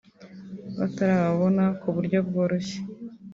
batababona ku buryo bworoshye